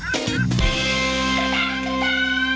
เพิ่มเวลา